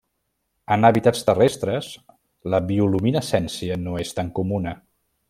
En hàbitats terrestres, la bioluminescència no és tan comuna.